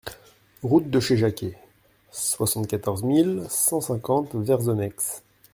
Route de Chez Jacquet, soixante-quatorze mille cent cinquante Versonnex